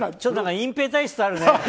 隠ぺい体質あるね。